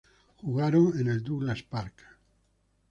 Jugaron en el Douglas Park.